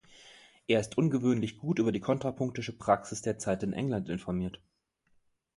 Er ist ungewöhnlich gut über die kontrapunktische Praxis der Zeit in England informiert.